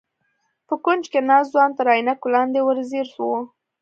په کونج کې ناست ځوان تر عينکو لاندې ور ځير و.